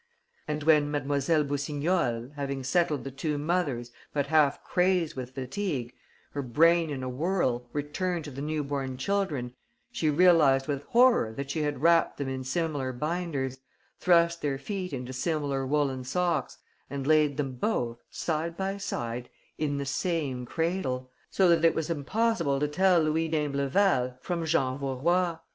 And, when Mlle. Boussignol, having settled the two mothers, but half crazed with fatigue, her brain in a whirl, returned to the new born children, she realized with horror that she had wrapped them in similar binders, thrust their feet into similar woolen socks and laid them both, side by side, in the same cradle, so that it was impossible to tell Louis d'Imbleval from Jean Vaurois!...